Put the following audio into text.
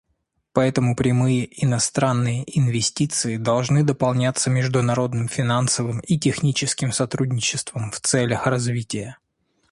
Поэтому прямые иностранные инвестиции должны дополняться международным финансовым и техническим сотрудничеством в целях развития.